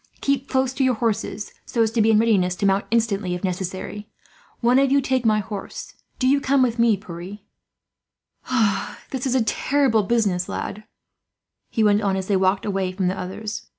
Keep close to your horses, so as to be in readiness to mount instantly, if necessary. One of you take my horse. "Do you come with me, Pierre. "This is a terrible business, lad," he went on, as they walked away from the others.